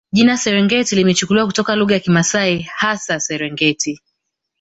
Jina Serengeti limechukuliwa kutoka lugha ya Kimasai hasa Serengeti